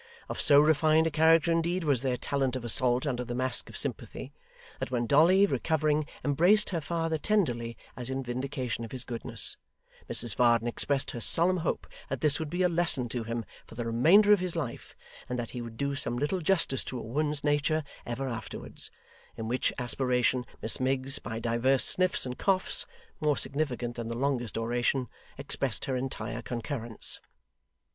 Of so refined a character, indeed, was their talent of assault under the mask of sympathy, that when Dolly, recovering, embraced her father tenderly, as in vindication of his goodness, Mrs Varden expressed her solemn hope that this would be a lesson to him for the remainder of his life, and that he would do some little justice to a woman's nature ever afterwards in which aspiration Miss Miggs, by divers sniffs and coughs, more significant than the longest oration, expressed her entire concurrence.